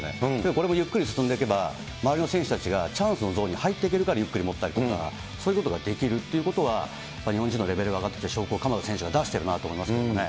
これもゆっくり進んでいけば、周りの選手たちがチャンスのゾーンに入っていけるから、ゆっくりもったりとか、そういうことができるっていうことは、日本人のレベルが上がってきた証拠を鎌田選手が出してるなと思いますけどね。